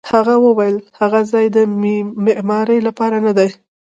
هغه وویل: هغه ځای د معمارۍ لپاره نه دی.